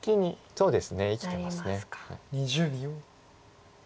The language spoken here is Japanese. そうですね生きてます。